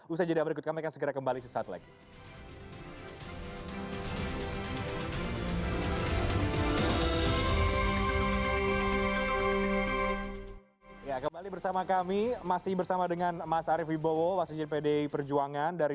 usaha jadwal berikut kami akan segera kembali sesaat lagi